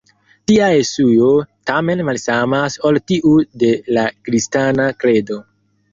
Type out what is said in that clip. Tia Jesuo, tamen, malsamas ol tiu de la kristana kredo.